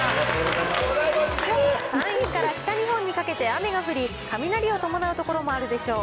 山陰から北日本にかけて雨が降り、雷を伴う所もあるでしょう。